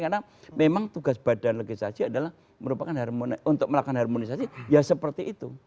karena memang tugas badan legislasi adalah untuk melakukan harmonisasi ya seperti itu